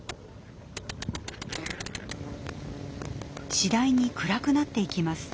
次第に暗くなっていきます。